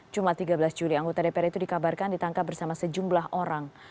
jumlah tiga belas juli anggota dpr itu dikabarkan ditangkap bersama sejumlah orang